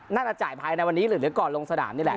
น่าจะจ่ายภายในวันนี้หรือก่อนลงสนามนี่แหละ